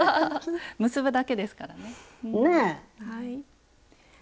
結ぶだけですからね。ね。